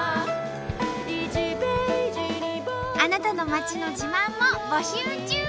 あなたの町の自慢も募集中！